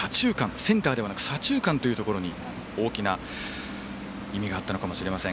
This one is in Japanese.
センターではなく左中間というところに大きな意味があったのかもしれません。